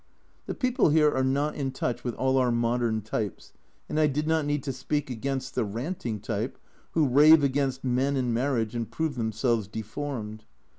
The people here are not in touch with all our modern types, and I did not need to speak against the ranting type, who rave against men and marriage and prove themselves deformed.